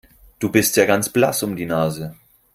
Du bist ja ganz blass um die Nase.